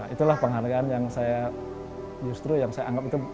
itulah penghargaan yang saya justru yang saya anggap itu